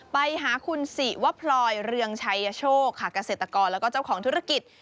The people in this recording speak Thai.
ไปหาคุณศิวพลอยเรืองชัยโชคค่ะเกษตรกรแล้วก็เจ้าของธุรกิจ